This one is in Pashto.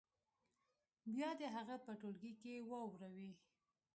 بیا دې هغه په ټولګي کې واوروي.